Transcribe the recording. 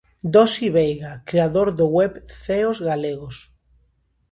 Dosi Veiga, creador do web "Ceos Galegos".